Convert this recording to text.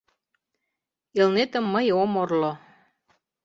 Элнетым мый ом орло...